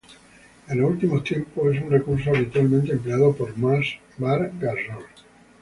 En los últimos tiempos, es un recurso habitualmente empleado por Marc Gasol.